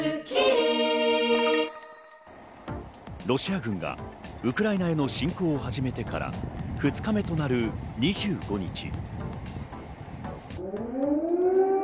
ロシア軍がウクライナへの侵攻を始めてから２日目となる２５日。